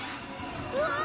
うわ！